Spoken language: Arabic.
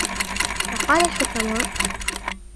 وَقَالَ الْحُكَمَاءُ